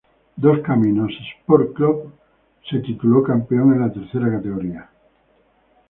Dos Caminos Sport Club se tituló campeón en la tercera categoría.